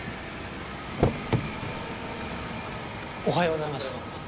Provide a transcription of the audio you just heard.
おはようございます。